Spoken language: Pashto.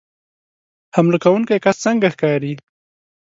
حمله کوونکی کس څنګه ښکاري